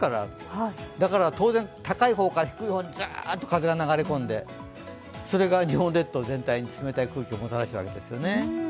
だから当然、高い方から低い方にザーッと風が流れ込んで、それが日本列島全体に冷たい空気をもたらすわけですね。